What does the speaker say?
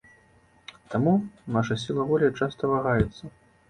Таму наша сіла волі часта вагаецца.